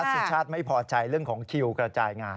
สุชาติไม่พอใจเรื่องของคิวกระจายงาน